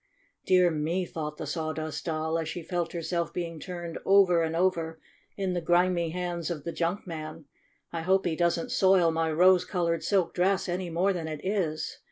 "Dear me!" thought the Sawdust Doll as she felt herself being turned over and over in the grimy hands of the junk man. "I hope he doesn't soil my rose colored silk dress any more than it is.